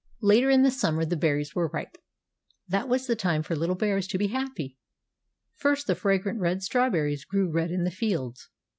Later in the summer the berries were ripe. That was the time for little bears to be happy! First the fragrant red strawberries grew red in the fields.